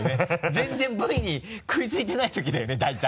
全然Ｖに食いついてないときだよね大体。